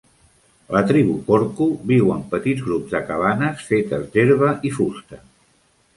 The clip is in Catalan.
La tribu korku viu en petits grups de cabanes fetes d'herba i fusta.